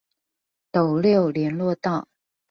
斗六聯絡道